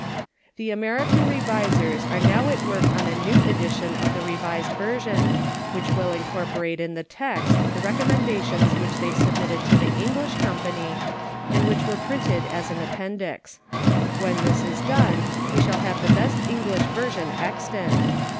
The American revisers are now at work on a new edition of the Revised Vei'sion, which will incorporate in the text the recommendations which they submitted to the English com pany, and which Mere printed as an appendix. When this is done Ave shall have the best English version extant.